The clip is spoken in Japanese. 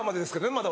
まだ。